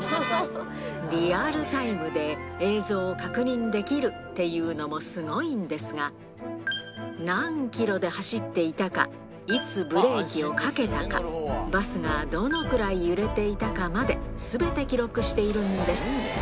リアルタイムで、映像を確認できるっていうのもすごいんですが、何キロで走っていたか、いつブレーキをかけたか、バスがどのくらい揺れていたかまで、すべて記録しているんです。